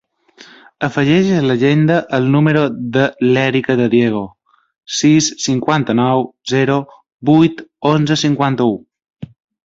Afegeix a l'agenda el número de l'Erica De Diego: sis, cinquanta-nou, zero, vuit, onze, cinquanta-u.